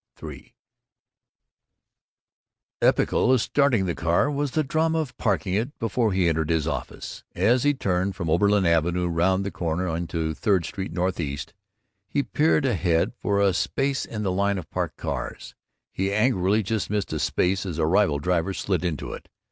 III Epochal as starting the car was the drama of parking it before he entered his office. As he turned from Oberlin Avenue round the corner into Third Street, N.E., he peered ahead for a space in the line of parked cars. He angrily just missed a space as a rival driver slid into it.